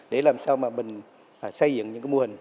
để làm sao mà mình xây dựng những mô hình